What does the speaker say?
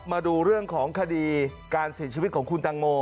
มาดูเรื่องของคดีการเสียชีวิตของคุณตังโม